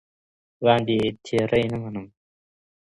باندي تېرى نه منم